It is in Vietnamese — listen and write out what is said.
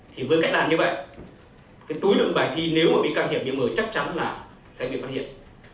thì với cách làm như vậy cái túi lựng bài thi nếu mà bị căng hiệp bị mờ chắc chắn là sẽ bị phát hiện